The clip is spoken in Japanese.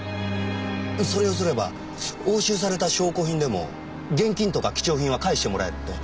それをすれば押収された証拠品でも現金とか貴重品は返してもらえるって。